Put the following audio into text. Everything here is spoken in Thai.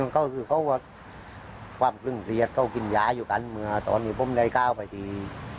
เขาก็คือก็ความคลึ่งเขียดเค้ากินย้ายูกันเมื่อตอนนี้ผมได้กล้าวไปที่รอยเวียน